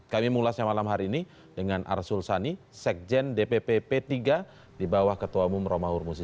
kami mengulasnya malam hari ini dengan arsul sani sekjen dpp p tiga di bawah ketua umum romahur muzi